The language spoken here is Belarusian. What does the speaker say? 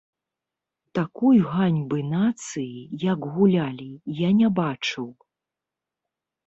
Такой ганьбы нацыі, як гулялі, я не бачыў.